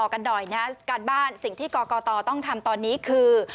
การบ้านสิ่งที่กกตต้องทำตอนนี้คือ